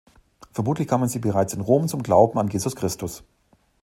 Vermutlich kamen sie bereits in Rom zum Glauben an Jesus Christus.